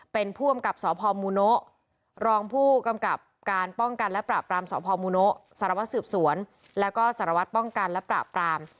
เป็นผู้อำกับสพมูโนะรองผู้กำกับการป้องกันและปราบปรามสพมูโนะสารวัสสืบสวนแล้วก็สารวัตรป้องกันและปราบปราม